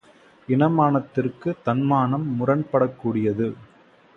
இனமானத்திற்குத் தன்மானம் முரண்படக்கூடியது!